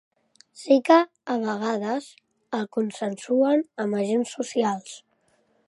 Sí que, a vegades, el consensuen amb agents socials.